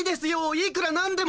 いくらなんでも。